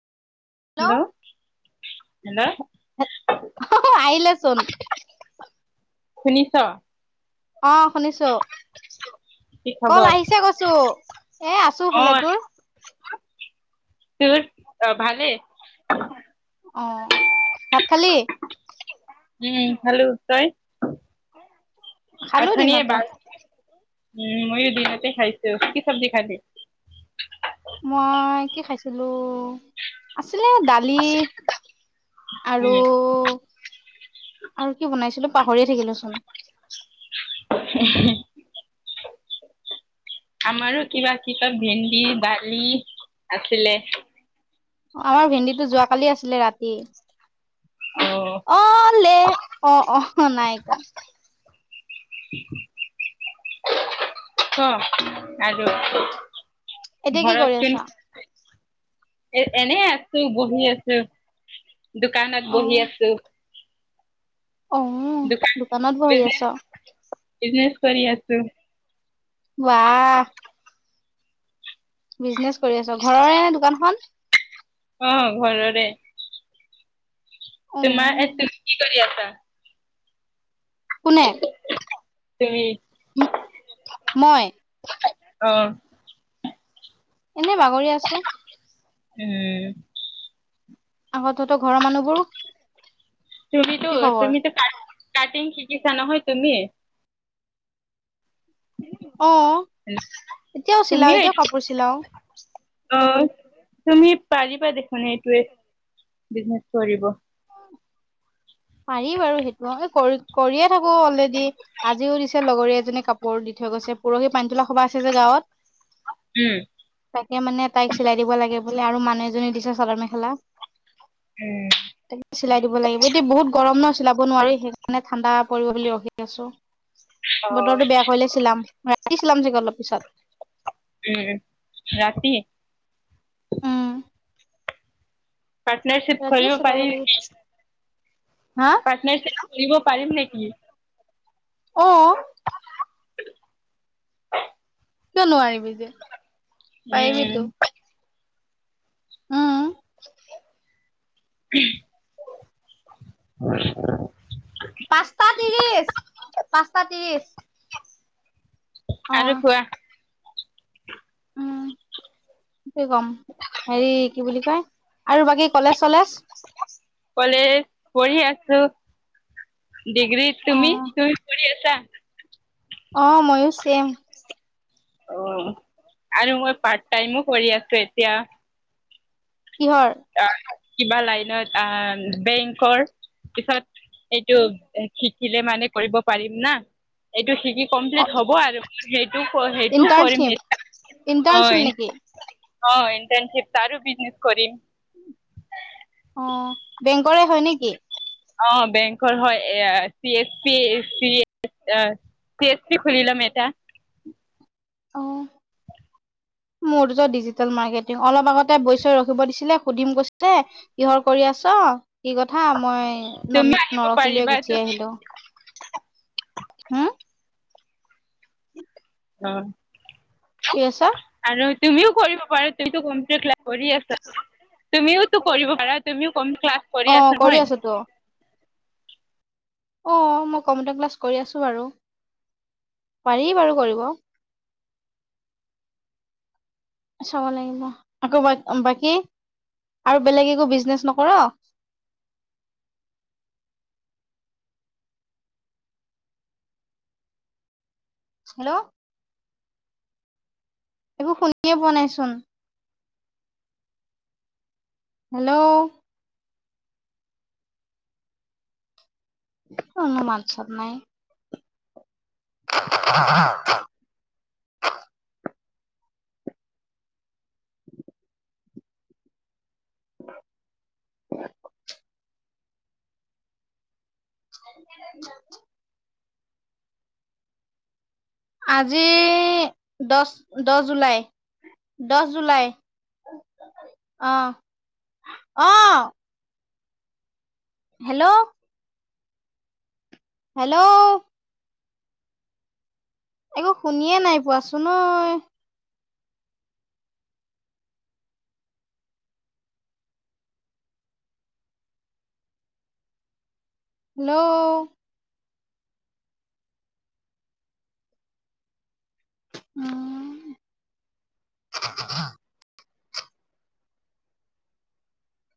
Hello অ', hello hello! আহিলে চোন। শুনিছ? অঁ শুনিছোঁ কি কল আহিছে কৈছোঁ এ আ- অঁ তোৰ অঁ ভালেই। অঁ ভাত খালি? উমঁ খালো তই? খালো অথনিয়ে দিনতে বাছ উমঁ ময়ো দিনতে খাইছোঁ কি চব্জি খালি? মই কি খাইছিলোঁ আছিলে দাল- লি উম। আৰু- আৰু কি বনাইছিলোঁ পাহৰিয়ে থাকিলো চোন। এ হে- আমাৰো কিবা কিবা ভেন্দি দালি আছিলে। আমাৰ ভেন্দীটো যোৱাকালি আছিলে ৰাতি। অ'। অঁ লে অঁ অঁ নাই ক। ক আৰু এতিয়া কি কৰি ঘৰত কোন আছা? - এ এনে আছোঁ বহি আছোঁ। দোকানত বহি আছোঁ। অঁ দোকানত বহি আছ। বিজনেছ কৰি আছোঁ। ওৱা- বিজনেছ কৰি আছ ঘৰৰে নে দোকানখন। অহ ঘৰৰে। অ', তোমাৰ এ তুমি কি কৰি আছা? কোনে। তুমি। ওম মই। অঁ- এনেই বাগৰি আছোঁ। উমঁ! আকৌ তহঁতৰ ঘৰৰ মানুহবোৰ - তুমিতো-তুমিতো কাটিং শিকিছা নহয় তুমি অঁ এতিয়াও চিলাওঁ এতিয়াও কাপোৰ চিলাওঁ। অঁ তুমি পাৰিবা দেখোন এইটোৱেই বিজনেচ কৰিব। পাৰি বাৰু সেইটো কৰি কৰিয়ে থাকো অলৰেডি। আজিও দিছে লগৰী এজনীয়ে কাপোৰ দি থৈ গৈছে পৰহি পানীতোলা সবা আছে যে গাঁৱত। [inaudible] উম। তাকে মানে তাইক চিলাই দিব লাগে বোলে আৰু মানুহ এজনীয়ে দিছে চাদৰ মেখেলা উম চিলাই দিব লাগিব, এতিয়া বহুত গৰম ন চিলাব নোৱাৰি সেইকাৰণে ঠাণ্ডা পৰিব বুলি ৰখি আছো, অ বতৰটো বেয়া কৰিলে চিলাম ৰাতি চিলাম চাগে অলপ পিছত। উম, ৰাতি উম পাৰ্টনাৰশ্বিপ কৰিব ৰাতিয়ে চিলাব পাৰি হা? [inaudible] কৰিব পাৰিম নেকি? অঁ কিয় নোৱাৰিবি যে পাৰিবিতো উম উম। [inaudible] [unintelligible] পাঁচটা ত্ৰিশ, পাঁচটা ত্ৰিশ অ আৰু কোৱা। উম কি কম, হেৰি কি বুলি কয় আৰু বাকী কলেজ-চলেজ কলেজ পঢ়ি আছো, ডিগ্ৰীত অ তুমি-তুমি কৰি আছা অঁ ময়ো চেম। অঁ আৰু মই পাৰ্ট টাইমো কৰি আছো এতিয়া কিহৰ? [inaudible] আহ কিবা লাইনৰ আহ বেংকৰ পিছত এইটো শিকিলে মানে কৰিব পাৰিম না। এইটো শিকি অ কমপ্লিট হ'ব আৰু সেইটো সেইটোও কৰিম নি [inaudible] ইনন্তান শ্বিপ নেকি? অঁ ইণ্টাৰ্নশিপ তাৰো বিজনেছ কৰিম [inaudible] অঁ বেংকৰে হয় নেকি? [inaudible] অঁ বেংকৰ হয় এ চি এচ পি আহ চি এচ পি খুুলি লম এটা। অঁ [inaudible] মোৰতো ডিজিটেল মাৰ্কেটিং অলপ আগতে বৈছ‌ই ৰখিব দিছিলে, সুধিম কৈছিলে কিহৰ কৰি আছা, কি কথা, মই ন তুমি আহিব পাৰিবা নৰখিলোৱেই গুচি তুমি আহিলো হুম [inaudible] অঁ কি আছা [inaudible] আৰু তুমিও কৰিব পাৰা, তুমিটো কম্পিউটাৰ ক্লাছ কৰি আছা। [inaudible] তুমিও তো কৰিব পাৰা তুমিও কম ক্লাছ [inaudible] অঁ কৰি হয় আছো তো। [inaudible] অঁ মই কম্পিউটাৰ ক্লাছ কৰি আছো বাৰু, পাৰি বাৰু কৰিব চাব লাগিব, আকৌ বাকী আৰু বেলেগ একো বিজনেচ নকৰা [inaudible] হেল্ল'! একো শুনিয়ে পোৱা নাই চোন। হেল্ল'! কি হ'লনো মাত-চাত নাই? [inaudible] [inaudible] আজি দহ-দহ জুলাই দহ জুলাই। অহ' অহ'! হেল্ল'! হেল্ল'! একো শুনিয়ে নাই পোৱাচোন অই। হেল্ল'! [inaudible]